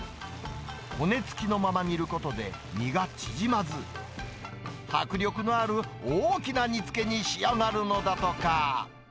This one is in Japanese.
骨付きのまま煮ることで、身が縮まず、迫力のある大きな煮つけに仕上がるのだとか。